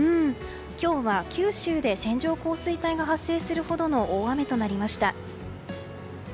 今日は九州で線状降水帯が発生するほどの大雨となりました。